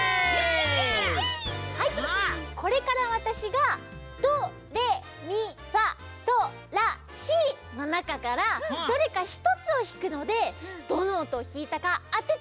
はいこれからわたしがドレミファソラシのなかからどれかひとつをひくのでどのおとをひいたかあててみてください！